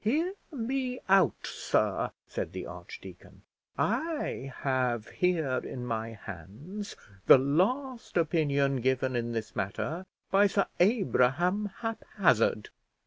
"Hear me out, sir," said the archdeacon; "I have here in my hands the last opinion given in this matter by Sir Abraham Haphazard.